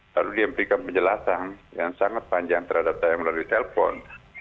lalu dia memberikan penjelasan yang sangat panjang terhadap saya melalui telpon